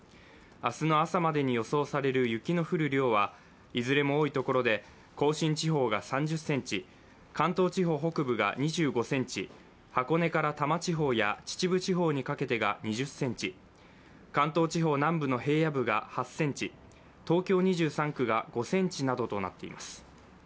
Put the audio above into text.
明日の朝までに予想される雪の降る量は、いずれも多いところで甲信地方が３０ｃｍ関東地方北部が２５ｃｍ箱根から多摩地方や秩父地方にかけてが２０ｃｍ、関東地方南部の平野部が８ｃｍ、東京２３区が５ｃｍなどとなっています。